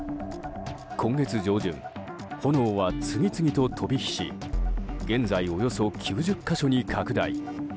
今月上旬、炎は次々と飛び火し現在、およそ９０か所に拡大。